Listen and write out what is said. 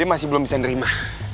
aku belum bisa nerima